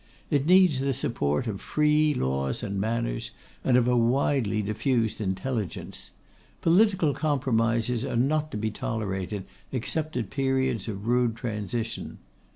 It needs the support of free laws and manners, and of a widely diffused intelligence. Political compromises are not to be tolerated except at periods of rude transition.